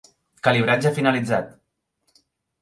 Calibratge finalitzat.